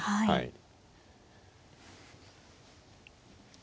はい。